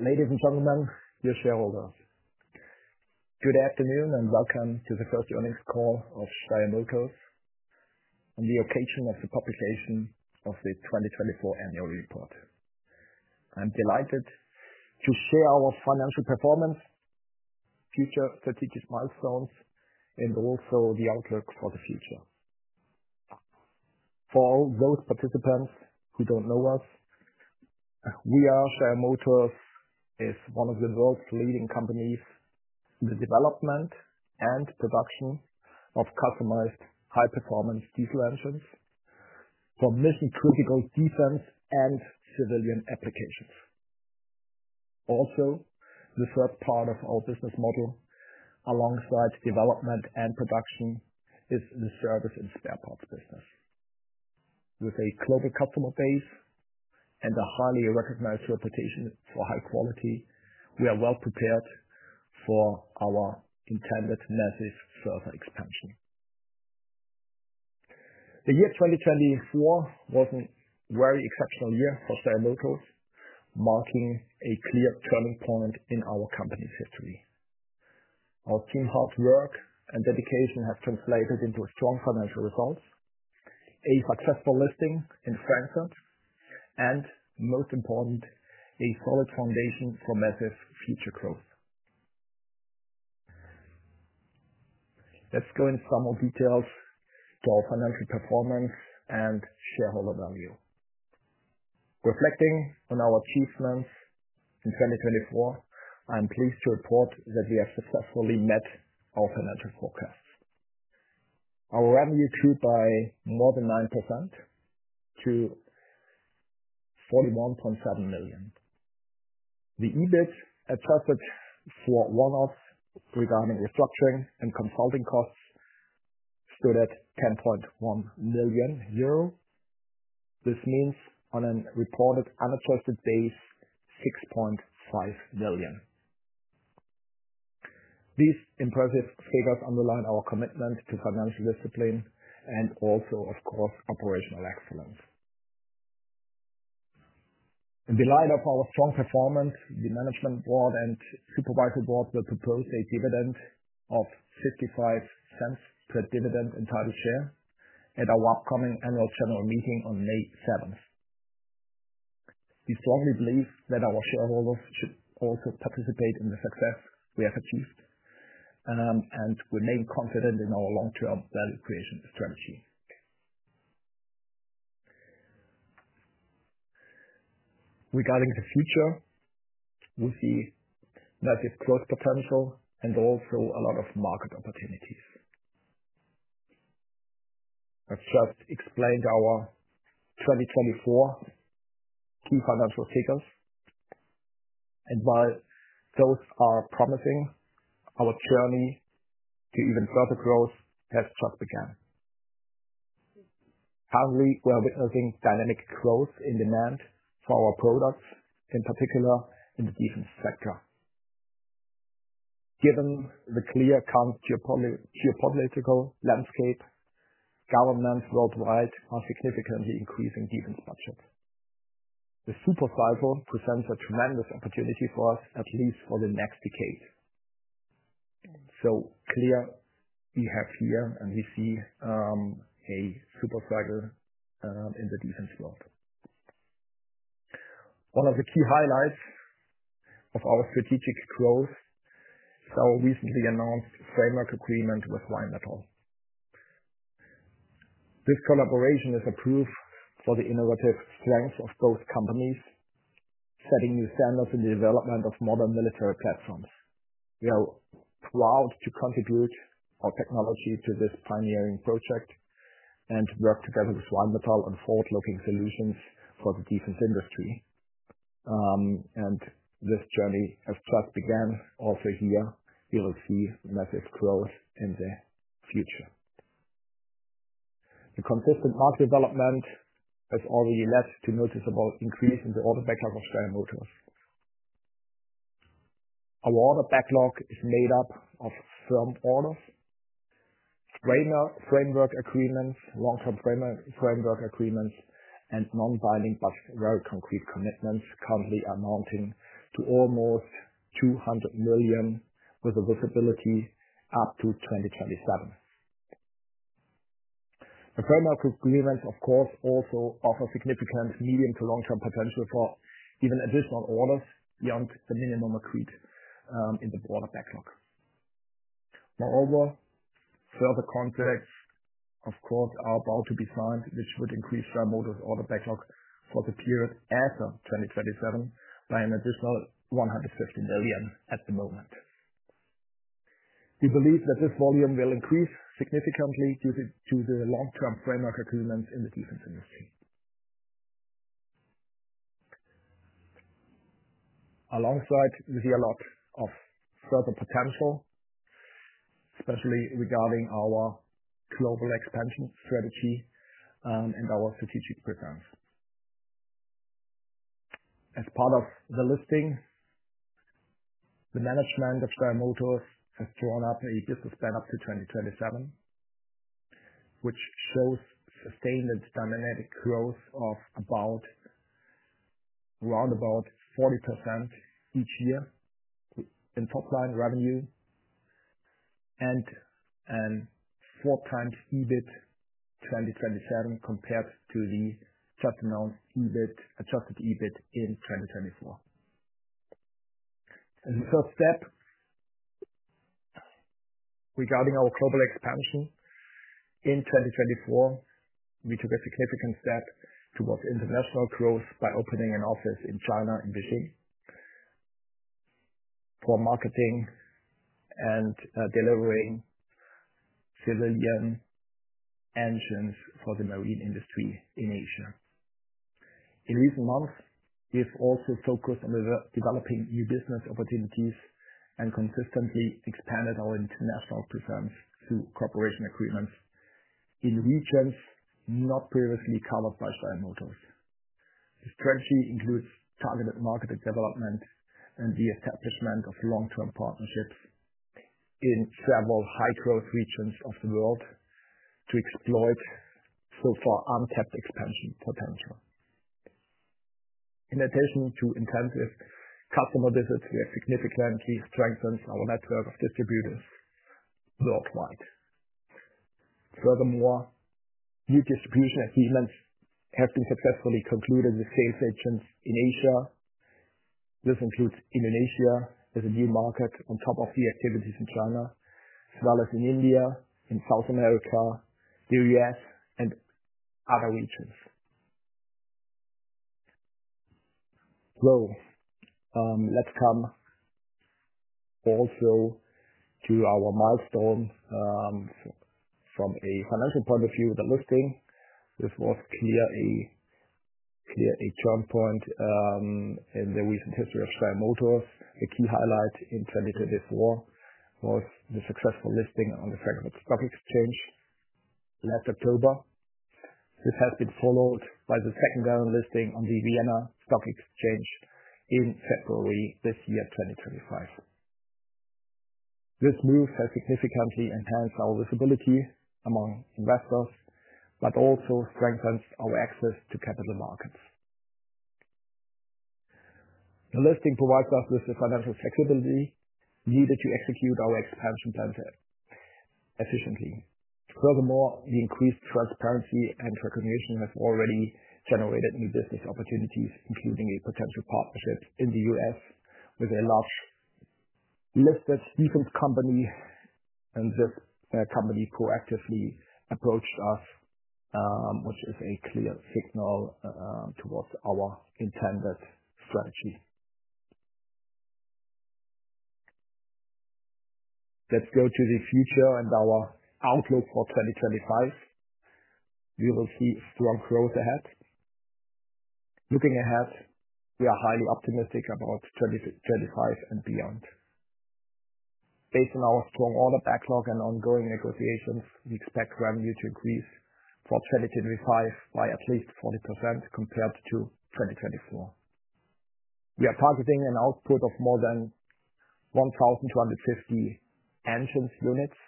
Ladies and gentlemen, dear shareholders, good afternoon and welcome to the first earnings call of Steyr Motors on the occasion of the publication of the 2024 annual report. I'm delighted to share our financial performance, future strategic milestones, and also the outlook for the future. For all those participants who don't know us, we are Steyr Motors, one of the world's leading companies in the development and production of customized high-performance diesel engines for mission-critical defense and civilian applications. Also, the third part of our business model, alongside development and production, is the service and spare parts business. With a global customer base and a highly recognized reputation for high quality, we are well prepared for our intended massive further expansion. The year 2024 was a very exceptional year for Steyr Motors, marking a clear turning point in our company's history. Our team's hard work and dedication have translated into strong financial results, a successful listing in Frankfurt, and most importantly, a solid foundation for massive future growth. Let's go into some more details to our financial performance and shareholder value. Reflecting on our achievements in 2024, I'm pleased to report that we have successfully met our financial forecasts. Our revenue grew by more than 9% to 41.7 million. The EBIT adjusted for one-offs regarding restructuring and consulting costs stood at 10.1 million euro. This means, on a reported unadjusted base, EUR 6.5 million. These impressive figures underline our commitment to financial discipline and also, of course, operational excellence. In the light of our strong performance, the Management Board and Supervisory Board will propose a dividend of 0.55 per dividend entitled share at our upcoming annual general meeting on May 7th. We strongly believe that our shareholders should also participate in the success we have achieved and remain confident in our long-term value creation strategy. Regarding the future, we see massive growth potential and also a lot of market opportunities. I have just explained our 2024 key financial figures, and while those are promising, our journey to even further growth has just begun. Currently, we are witnessing dynamic growth in demand for our products, in particular in the defense sector. Given the clear current geopolitical landscape, governments worldwide are significantly increasing defense budgets. The super cycle presents a tremendous opportunity for us, at least for the next decade. We have here, and we see a super cycle in the defense world. One of the key highlights of our strategic growth is our recently announced framework agreement with Rheinmetall. This collaboration is a proof for the innovative strength of both companies, setting new standards in the development of modern military platforms. We are proud to contribute our technology to this pioneering project and work together with Rheinmetall on forward-looking solutions for the defense industry. This journey has just begun; also here, we will see massive growth in the future. The consistent market development has already led to a noticeable increase in the order backlog of Steyr Motors. Our order backlog is made up of firm orders, framework agreements, long-term framework agreements, and non-binding but very concrete commitments currently amounting to almost 200 million, with a visibility up to 2027. The framework agreements, of course, also offer significant medium to long-term potential for even additional orders beyond the minimum agreed in the order backlog. Moreover, further contracts, of course, are about to be signed, which would increase Steyr Motors' order backlog for the period after 2027 by an additional 150 million at the moment. We believe that this volume will increase significantly due to the long-term framework agreements in the defense industry. Alongside, we see a lot of further potential, especially regarding our global expansion strategy and our strategic returns. As part of the listing, the management of Steyr Motors has drawn up a business plan up to 2027, which shows sustained and dynamic growth of around about 40% each year in top-line revenue and a four-times EBIT 2027 compared to the just-adjusted EBIT in 2024. The first step regarding our global expansion in 2024, we took a significant step towards international growth by opening an office in China in Beijing for marketing and delivering civilian engines for the marine industry in Asia. In recent months, we've also focused on developing new business opportunities and consistently expanded our international presence through cooperation agreements in regions not previously covered by Steyr Motors. The strategy includes targeted market development and the establishment of long-term partnerships in several high-growth regions of the world to exploit so far untapped expansion potential. In addition to intensive customer visits, we have significantly strengthened our network of distributors worldwide. Furthermore, new distribution agreements have been successfully concluded with sales agents in Asia. This includes Indonesia, as a new market on top of the activities in China, as well as in India, in South America, the US, and other regions. Let's come also to our milestone from a financial point of view with the listing. This was clearly a turning point in the recent history of Steyr Motors. A key highlight in 2024 was the successful listing on the Frankfurt Stock Exchange last October. This has been followed by the secondary listing on the Vienna Stock Exchange in February this year, 2025. This move has significantly enhanced our visibility among investors, but also strengthens our access to capital markets. The listing provides us with the financial flexibility needed to execute our expansion plan efficiently. Furthermore, the increased transparency and recognition have already generated new business opportunities, including a potential partnership in the US with a large listed defense company. This company proactively approached us, which is a clear signal towards our intended strategy. Let's go to the future and our outlook for 2025. We will see strong growth ahead. Looking ahead, we are highly optimistic about 2025 and beyond. Based on our strong order backlog and ongoing negotiations, we expect revenue to increase for 2025 by at least 40% compared to 2024. We are targeting an output of more than 1,250 engine units,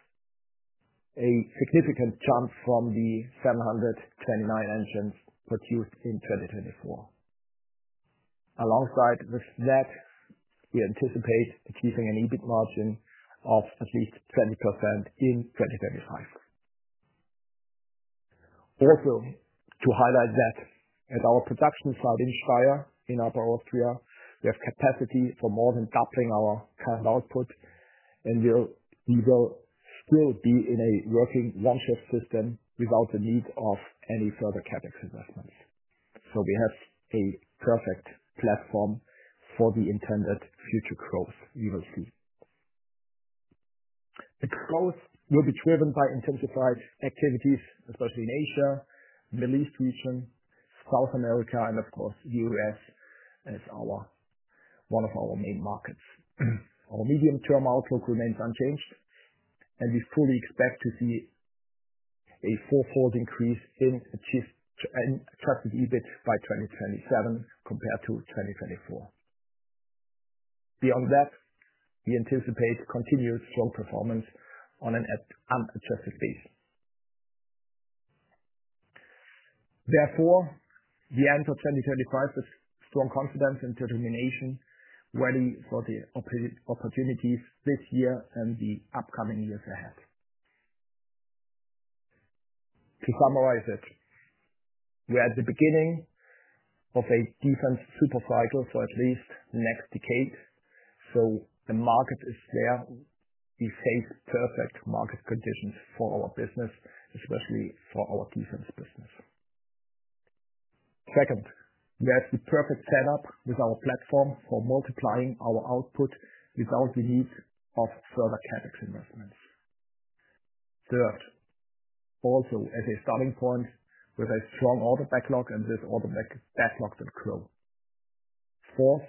a significant jump from the 729 engines produced in 2024. Alongside with that, we anticipate achieving an EBIT margin of at least 20% in 2025. Also, to highlight that at our production site in Steyr, in Upper Austria, we have capacity for more than doubling our current output, and we will still be in a working one-shift system without the need of any further CapEx investments. We have a perfect platform for the intended future growth we will see. The growth will be driven by intensified activities, especially in Asia, the Middle East region, South America, and of course, the US, as one of our main markets. Our medium-term outlook remains unchanged, and we fully expect to see a four-fold increase in targeted EBIT by 2027 compared to 2024. Beyond that, we anticipate continued strong performance on an unadjusted base. Therefore, the end of 2025 with strong confidence and determination, ready for the opportunities this year and the upcoming years ahead. To summarize it, we are at the beginning of a defense super cycle for at least the next decade. The market is there. We face perfect market conditions for our business, especially for our defense business. Second, we have the perfect setup with our platform for multiplying our output without the need of further CapEx investments. Third, also as a starting point with a strong order backlog, and this order backlog will grow. Fourth,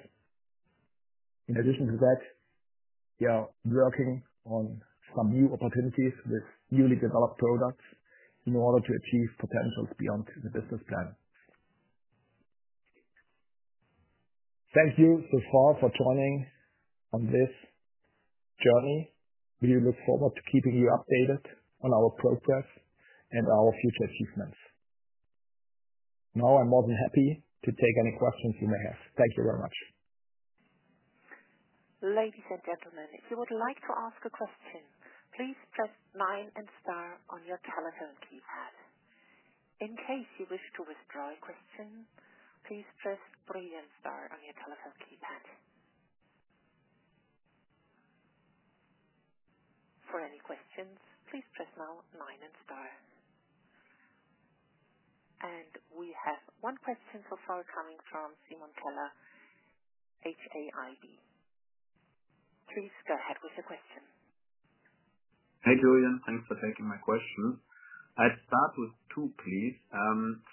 in addition to that, we are working on some new opportunities with newly developed products in order to achieve potentials beyond the business plan. Thank you so far for joining on this journey. We look forward to keeping you updated on our progress and our future achievements. Now I'm more than happy to take any questions you may have. Thank you very much. Ladies and gentlemen, if you would like to ask a question, please press nine and star on your telephone keypad. In case you wish to withdraw a question, please press three and star on your telephone keypad. For any questions, please press now nine and star. We have one question so far coming from Simon Keller, HAIB. Please go ahead with your question. Hey, Julian. Thanks for taking my question. I'd start with two, please.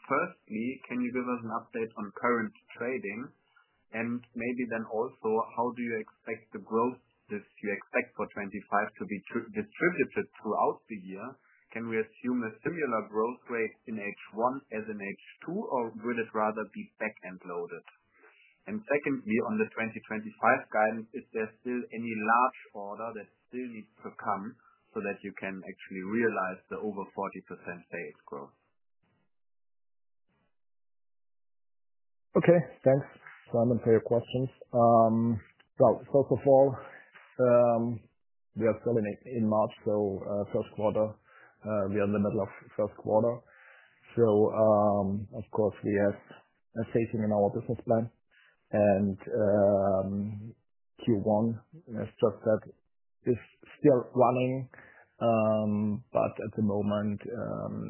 Firstly, can you give us an update on current trading? Maybe then also, how do you expect the growth that you expect for 2025 to be distributed throughout the year? Can we assume a similar growth rate in H1 as in H2, or would it rather be back-end loaded? Secondly, on the 2025 guidance, is there still any large order that still needs to come so that you can actually realize the over 40% sales growth? Okay. Thanks, Simon, for your questions. First of all, we are still in March, so first quarter. We are in the middle of first quarter. Of course, we have a staging in our business plan. Q1, as just said, is still running. At the moment,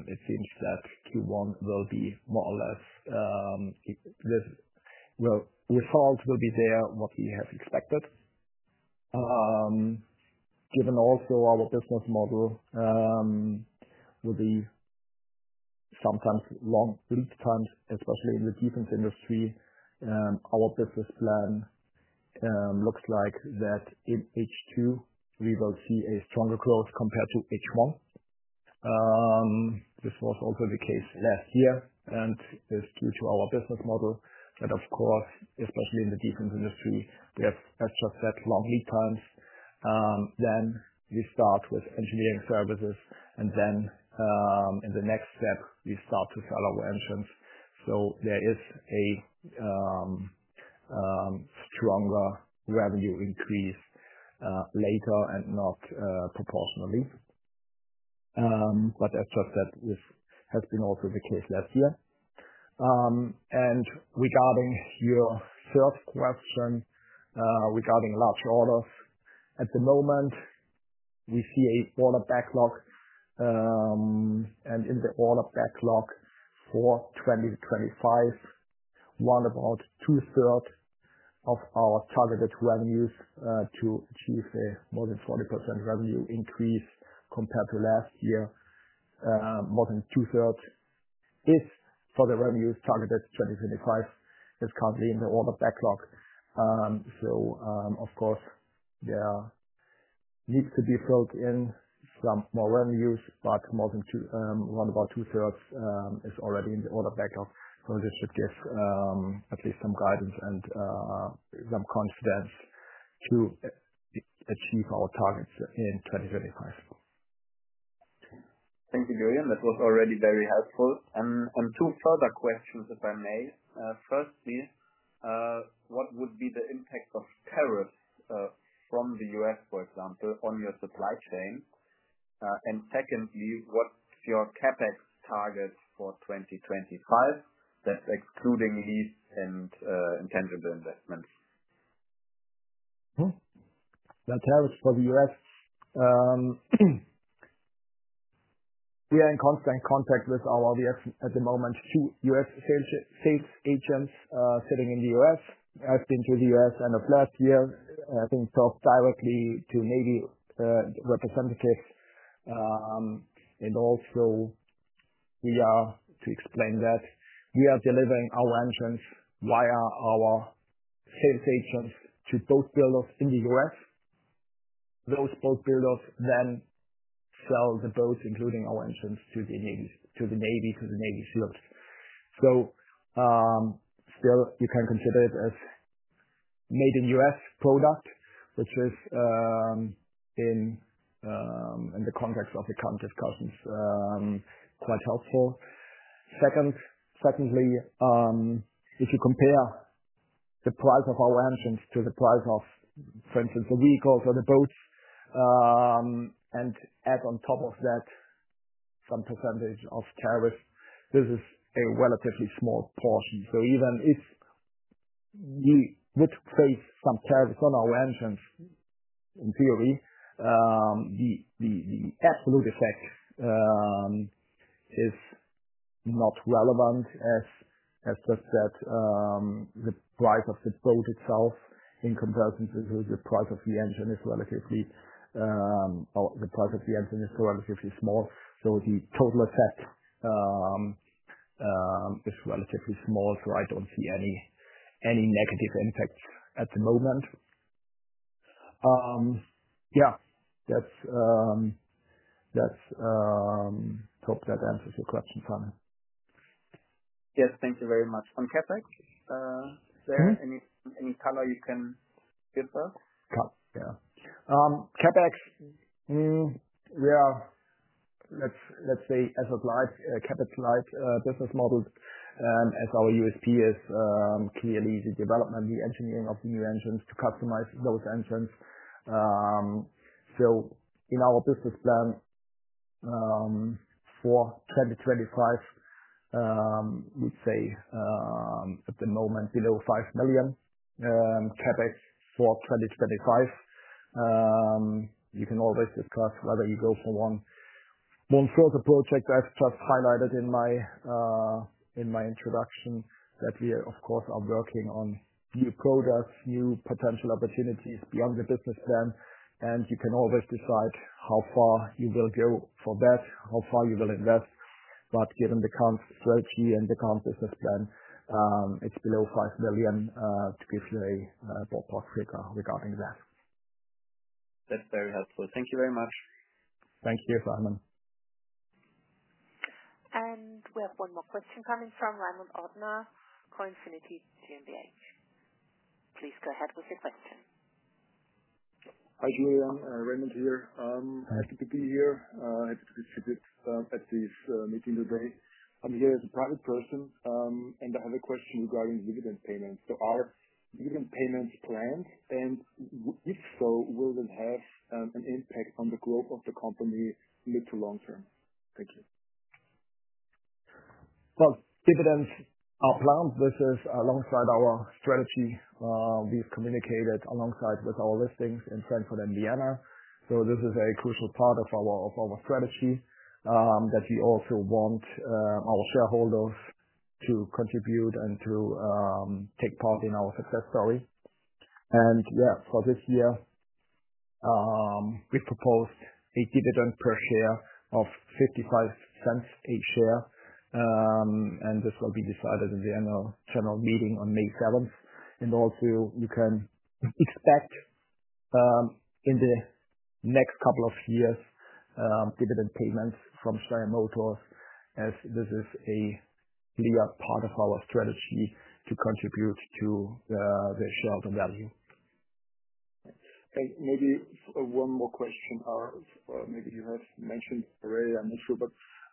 it seems that Q1 will be more or less the result will be there, what we have expected. Given also our business model will be sometimes long lead times, especially in the defense industry, our business plan looks like that in H2, we will see a stronger growth compared to H1. This was also the case last year. It is due to our business model that, of course, especially in the defense industry, we have, as just said, long lead times. We start with engineering services, and in the next step, we start to sell our engines. There is a stronger revenue increase later and not proportionally. As just said, this has been also the case last year. Regarding your third question regarding large orders, at the moment, we see an order backlog. In the order backlog for 2025, about two-thirds of our targeted revenues to achieve a more than 40% revenue increase compared to last year, more than two-thirds for the revenues targeted 2025 is currently in the order backlog. Of course, there needs to be filled in some more revenues, but more than about two-thirds is already in the order backlog. This should give at least some guidance and some confidence to achieve our targets in 2025. Thank you, Julian. That was already very helpful. Two further questions, if I may. Firstly, what would be the impact of tariffs from the US, for example, on your supply chain? Secondly, what's your CapEx target for 2025? That's excluding lease and intangible investments. The tariffs for the US, we are in constant contact with our at the moment two US sales agents sitting in the US. I've been to the US end of last year. I think I've talked directly to Navy representatives. Also, we are to explain that we are delivering our engines via our sales agents to boat builders in the US. Those boat builders then sell the boats, including our engines, to the Navy to the Navy field. You can consider it as made-in-US product, which is in the context of the current discussions, quite helpful. Secondly, if you compare the price of our engines to the price of, for instance, the vehicles or the boats, and add on top of that some percentage of tariffs, this is a relatively small portion. Even if we would face some tariffs on our engines, in theory, the absolute effect is not relevant, as just that the price of the boat itself in comparison to the price of the engine is relatively small. The total effect is relatively small. I do not see any negative impact at the moment. Yeah. I hope that answers your question, Simon. Yes. Thank you very much. On CapEx, is there any color you can give us? Yeah. CapEx, we are, let's say, asset-light, capital-light business model, as our USP is clearly the development, the engineering of the new engines to customize those engines. In our business plan for 2025, we would say at the moment below 5 million CapEx for 2025. You can always discuss whether you go for one more sort of project I have just highlighted in my introduction, that we, of course, are working on new products, new potential opportunities beyond the business plan. You can always decide how far you will go for that, how far you will invest. Given the current strategy and the current business plan, it is below 5 million to give you a ballpark figure regarding that. That is very helpful. Thank you very much. Thank you, Simon. We have one more question coming from Raimund Ortner, Coinfinity GmbH. Please go ahead with your question. Hi, Julian. Raimund here. Happy to be here. Happy to be at this meeting today. I am here as a private person, and I have a question regarding dividend payments. Are dividend payments planned? If so, will it have an impact on the growth of the company mid to long term? Thank you. Dividends are planned. This is alongside our strategy. We have communicated alongside with our listings in Frankfurt and Vienna. This is a crucial part of our strategy that we also want our shareholders to contribute and to take part in our success story. For this year, we proposed a dividend per share of 0.55 a share. This will be decided in the annual general meeting on May 7th. You can expect in the next couple of years dividend payments from Steyr Motors, as this is a clear part of our strategy to contribute to the shareholder value. Maybe one more question. Maybe you have mentioned already. I'm not sure.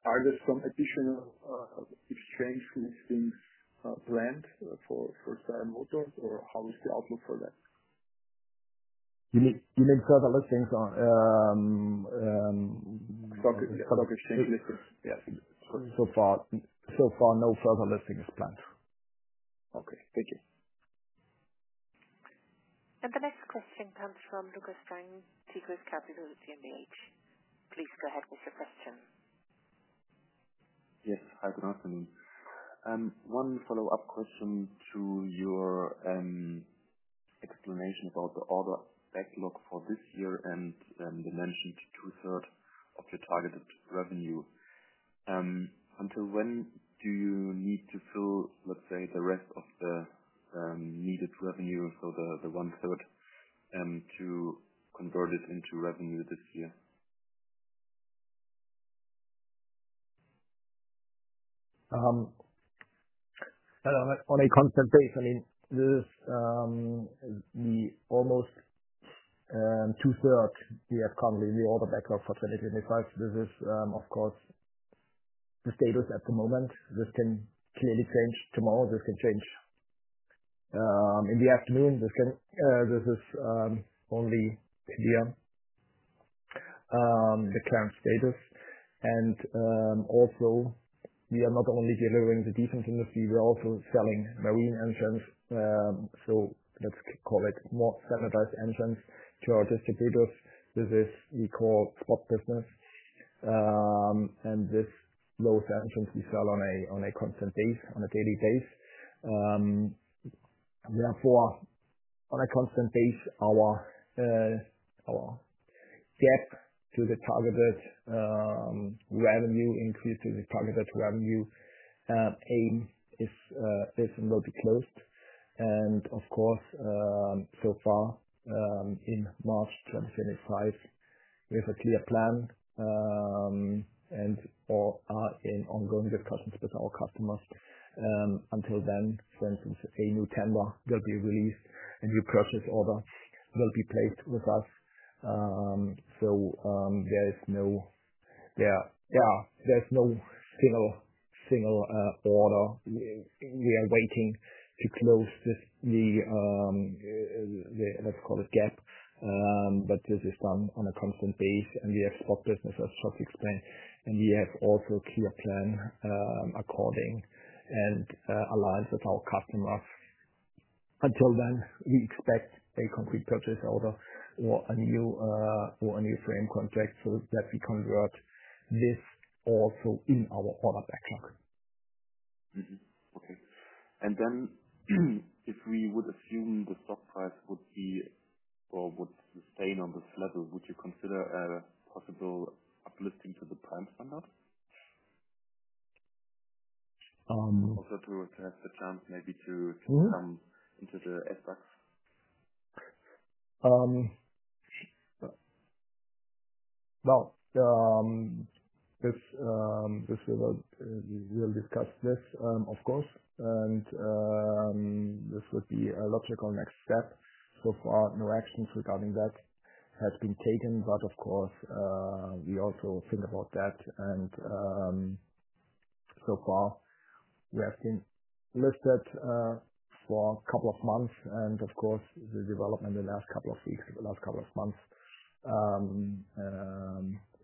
Are there some additional exchange listings planned for Steyr Motors, or how is the outlook for that? You mean further listings or stock exchange listings? Yes. So far, no further listing is planned. Okay. Thank you. The next question comes from Lukas Stein, Tegris Capital GmbH. Please go ahead with your question. Yes. Hi, good afternoon. One follow-up question to your explanation about the order backlog for this year and the mentioned two-thirds of your targeted revenue. Until when do you need to fill, let's say, the rest of the needed revenue, so the one-third, to convert it into revenue this year? On a constant base, I mean, this is the almost two-thirds we have currently in the order backlog for 2025. This is, of course, the status at the moment. This can clearly change tomorrow. This can change in the afternoon. This is only idea, the current status. We are not only delivering the defense industry. We're also selling marine engines. Let's call it more standardized engines to our distributors. This is what we call spot business. These engines we sell on a constant base, on a daily base. Therefore, on a constant base, our gap to the targeted revenue increase to the targeted revenue aim is and will be closed. Of course, so far in March 2025, we have a clear plan and are in ongoing discussions with our customers. Until then, for instance, a new tender will be released, a new purchase order will be placed with us. There is no, yeah, there's no single order. We are waiting to close the, let's call it, gap. This is done on a constant base. We have spot business, as just explained. We have also a clear plan according and aligned with our customers. Until then, we expect a concrete purchase order or a new frame contract so that we convert this also in our order backlog. Okay. If we would assume the stock price would be or would sustain on this level, would you consider a possible uplifting to the prime standard? Also to have the chance maybe to come into the SDAX? We will discuss this, of course. This would be a logical next step. So far, no actions regarding that have been taken. Of course, we also think about that. So far, we have been listed for a couple of months. The development in the last couple of weeks, the last couple of months,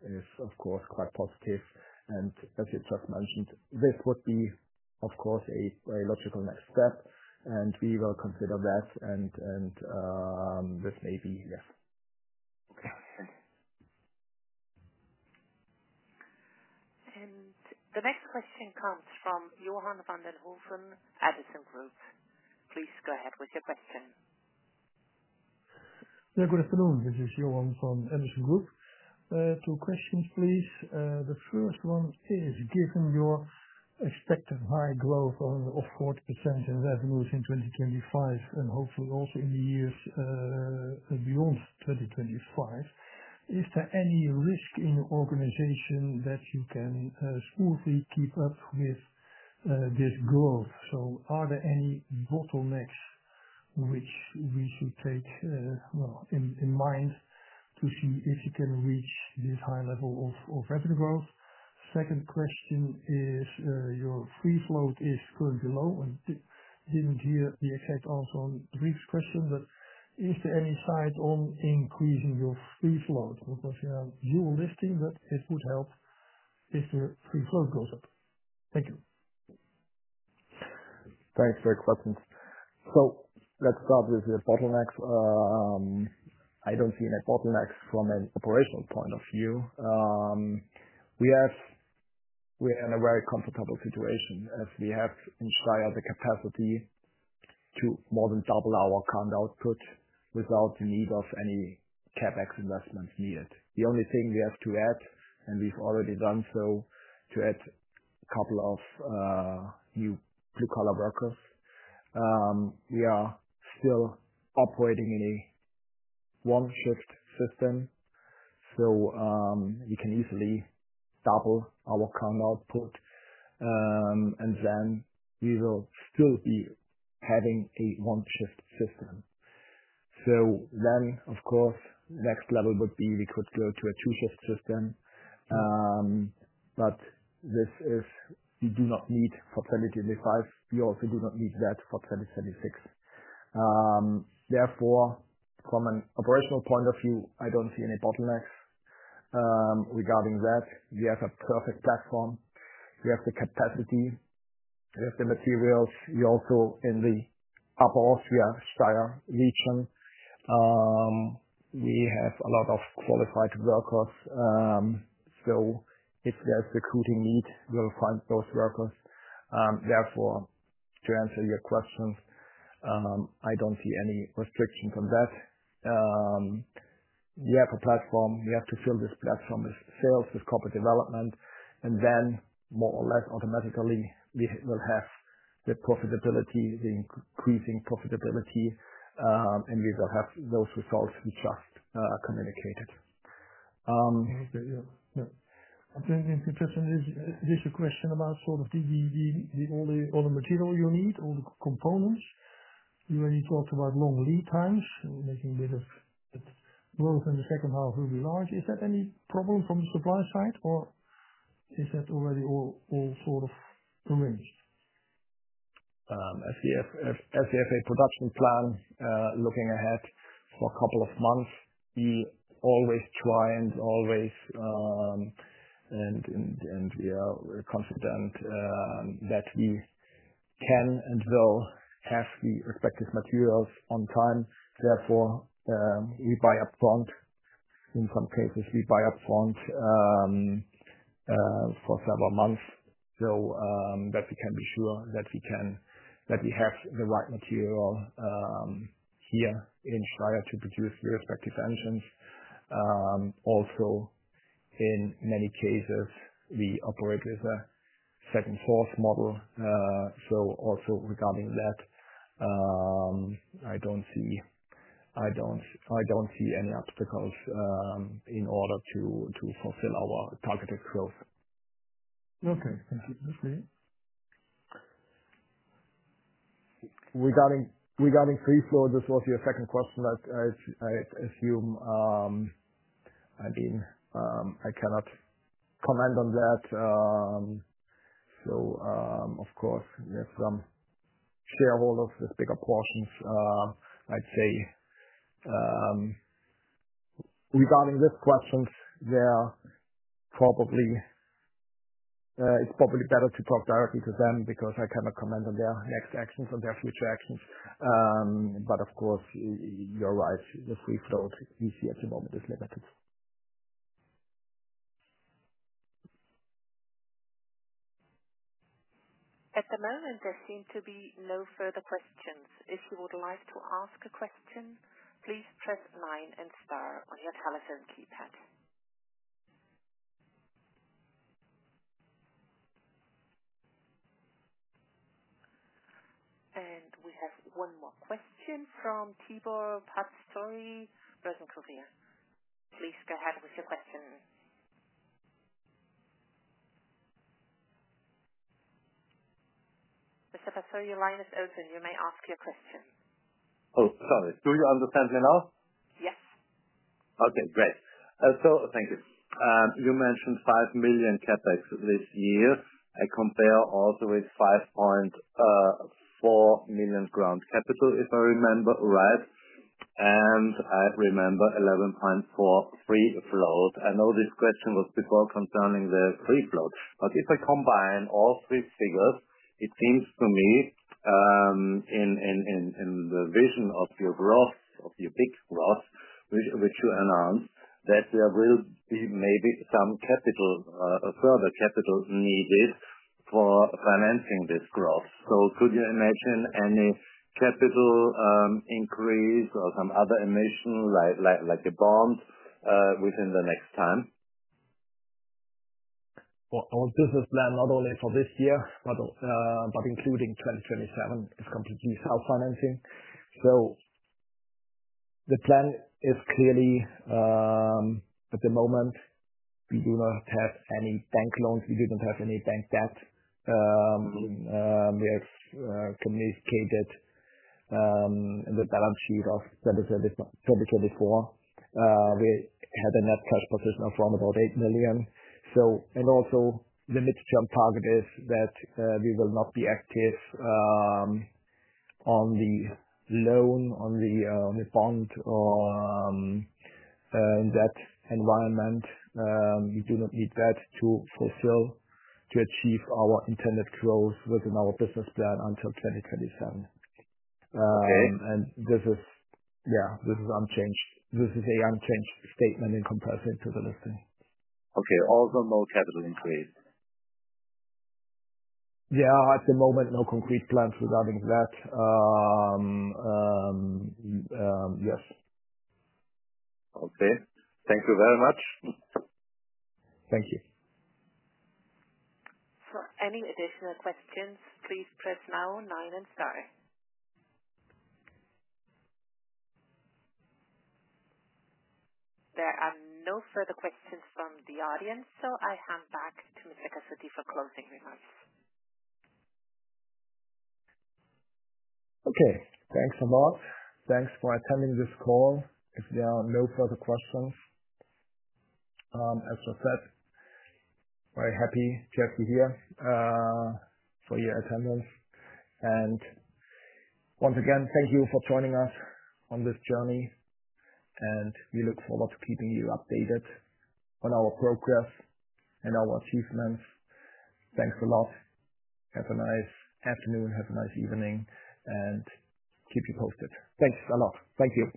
is of course quite positive. As you just mentioned, this would be, of course, a logical next step. We will consider that. This may be yes. Okay. Thank you. The next question comes from Johan van den Hooven at Edison Group. Please go ahead with your question. Yeah. Good afternoon. This is Johan from Edison Group. Two questions, please. The first one is, given your expected high growth of 40% in revenues in 2025 and hopefully also in the years beyond 2025, is there any risk in your organization that you can smoothly keep up with this growth? Are there any bottlenecks which we should take in mind to see if you can reach this high level of revenue growth? Second question is, your free float is currently low. I did not hear the exact answer on the previous question, but is there any side on increasing your free float? Because you are listing that it would help if the free float goes up. Thank you. Thanks for your questions. Let's start with the bottlenecks. I don't see any bottlenecks from an operational point of view. We are in a very comfortable situation as we have in Steyr the capacity to more than double our current output without the need of any CapEx investments needed. The only thing we have to add, and we've already done so, is to add a couple of new blue-collar workers. We are still operating in a one-shift system. We can easily double our current output. We will still be having a one-shift system. Of course, the next level would be we could go to a two-shift system. This is not needed for 2025. We also do not need that for 2026. Therefore, from an operational point of view, I don't see any bottlenecks regarding that. We have a perfect platform. We have the capacity. We have the materials. We're also in the Upper Austria Steyr region. We have a lot of qualified workers. If there's recruiting need, we'll find those workers. Therefore, to answer your question, I don't see any restrictions on that. We have a platform. We have to fill this platform with sales, with corporate development. More or less automatically, we will have the profitability, the increasing profitability. We will have those results we just communicated. Yeah. Yeah. The question is, is this a question about sort of the only material you need, all the components? You already talked about long lead times, making a bit of. That growth in the second half will be large. Is that any problem from the supply side, or is that already all sort of arranged? As we have a production plan looking ahead for a couple of months, we always try and always and we are confident that we can and will have the respective materials on time. Therefore, we buy upfront. In some cases, we buy upfront for several months so that we can be sure that we have the right material here in Steyr to produce the respective engines. Also, in many cases, we operate with a second-source model. So also regarding that, I do not see any obstacles in order to fulfill our targeted growth. Okay. Thank you. Regarding free float, this was your second question, I assume. I mean, I cannot comment on that. Of course, we have some shareholders with bigger portions, I would say. Regarding these questions, it's probably better to talk directly to them because I cannot comment on their next actions or their future actions. Of course, you're right. The free float we see at the moment is limited. At the moment, there seem to be no further questions. If you would like to ask a question, please press nine and star on your telephone keypad. We have one more question from Tegris Capital representative from Tegris Capital GmbH. Please go ahead with your question. Mr. Cassutti, your line is open. You may ask your question. Sorry. Do you understand me now? Yes. Okay. Great. Thank you. You mentioned 5 million CapEx this year. I compare also with 5.4 million grant capital, if I remember right. I remember 11.4 million free float. I know this question was before concerning the free float. If I combine all three figures, it seems to me, in the vision of your growth, of your big growth, which you announced, that there will be maybe some further capital needed for financing this growth. Could you imagine any capital increase or some other emission, like a bond, within the next time? Our business plan, not only for this year, but including 2027, is completely self-financing. The plan is clearly, at the moment, we do not have any bank loans. We did not have any bank debt. We have communicated in the balance sheet of 2024. We had a net cash position of around 8 million. Also, the midterm target is that we will not be active on the loan, on the bond, or that environment. We do not need that to fulfill, to achieve our intended growth within our business plan until 2027. Yeah, this is unchanged. This is an unchanged statement in comparison to the listing. Okay. Also no capital increase? There are, at the moment, no concrete plans regarding that. Yes. Okay. Thank you very much. Thank you. For any additional questions, please press nine and star. There are no further questions from the audience. I hand back to Mr. Cassutti for closing remarks. Okay. Thanks a lot. Thanks for attending this call. If there are no further questions, as just said, very happy to have you here for your attendance. Once again, thank you for joining us on this journey. We look forward to keeping you updated on our progress and our achievements. Thanks a lot. Have a nice afternoon. Have a nice evening. We will keep you posted. Thanks a lot. Thank you.